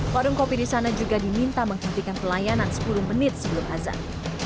warung kopi di sana juga diminta menghentikan pelayanan sepuluh menit sebelum azan